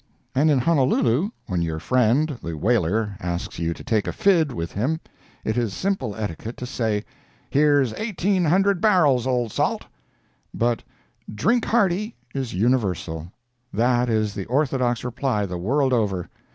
And in Honolulu, when your friend, the whaler, asks you to take a "fid" with him, it is simple etiquette to say, "Here's eighteen hundred barrels, old salt." But "drink hearty" is universal. That is the orthodox reply the world over.